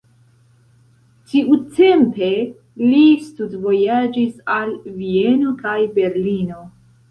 Tiutempe li studvojaĝis al Vieno kaj Berlino.